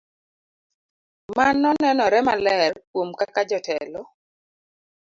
Mano nenore maler kuom kaka jotelo